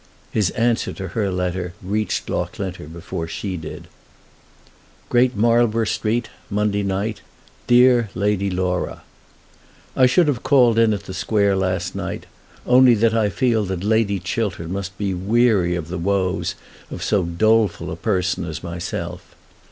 His answer to her letter reached Loughlinter before she did: Great Marlborough Street, Monday night. DEAR LADY LAURA, I should have called in the Square last night, only that I feel that Lady Chiltern must be weary of the woes of so doleful a person as myself.